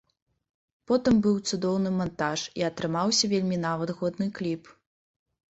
Потым быў цудоўны мантаж і атрымаўся вельмі нават годны кліп.